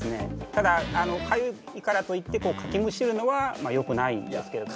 ただかゆいからといってかきむしるのはよくないですけどね。